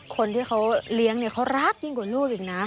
คนที่เขาเลี้ยงเนี่ยเขารักยิ่งกว่าลูกอีกนะ